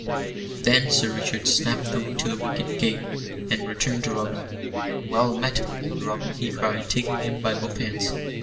Then Sir Richard snapped to the wicket gate, and returned to Robin. "Well met, bold Robin," he cried, taking him by both hands.